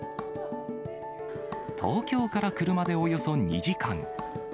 東京から車でおよそ２時間。